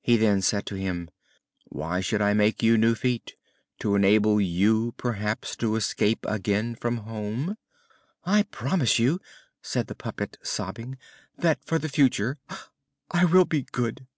He then said to him: "Why should I make you new feet? To enable you, perhaps, to escape again from home?" "I promise you," said the puppet, sobbing, "that for the future I will be good."